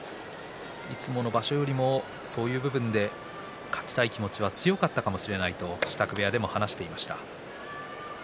いつもの場所よりもそういう部分で勝ちたい気持ちは強かったかもしれないと支度部屋でも話していました。